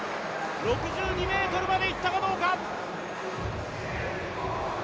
６２ｍまでいったかどうか。